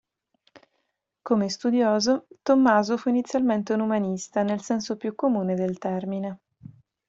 Come studioso, Tommaso fu inizialmente un umanista nel senso più comune del termine.